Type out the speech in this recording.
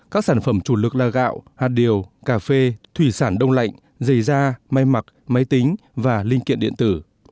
các sản phẩm chủ lực là gạo hạt điều cà phê thủy sản đông lạnh giày da may mặc máy tính và linh kiện điện tử